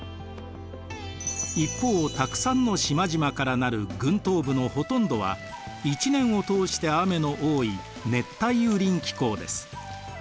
一方たくさんの島々から成る群島部のほとんどは１年を通して雨の多い熱帯雨林気候です。